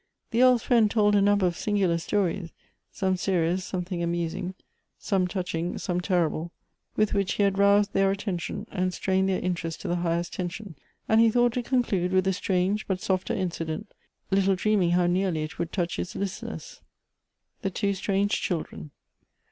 The Earl's friend told a number of singular stories — some serious, some amusing, some touching, some terrible — with which he had roused their attention and strained their interest to the highest tension, and he thought to conclude with a strange but softer incident, little dream ing how nearly it would touch his listeners. Elective Affinities. 251 the two strange children.